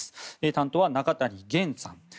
担当は中谷元さん。